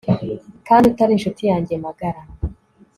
kandi utari inshuti yanjye magara